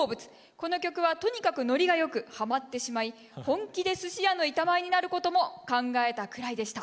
この曲はとにかくノリがよくはまってしまい本気ですし屋の板前になることも考えたくらいでした。